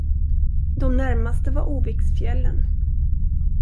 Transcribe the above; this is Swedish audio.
De närmaste var Oviksfjällen.